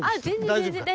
大丈夫か？